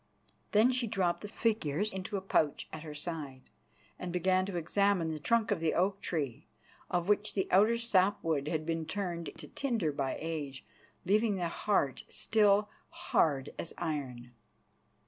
Then she dropped the figures into a pouch at her side, and began to examine the trunk of the oak tree, of which the outer sap wood had been turned to tinder by age, leaving the heart still hard as iron.